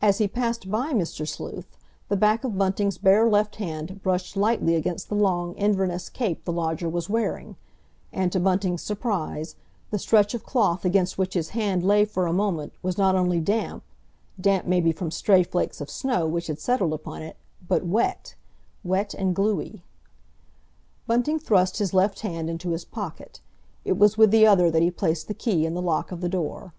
As he passed by Mr. Sleuth, the back of Bunting's bare left hand brushed lightly against the long Inverness cape the lodger was wearing, and, to Bunting's surprise, the stretch of cloth against which his hand lay for a moment was not only damp, damp maybe from stray flakes of snow which had settled upon it, but wet—wet and gluey. Bunting thrust his left hand into his pocket; it was with the other that he placed the key in the lock of the door.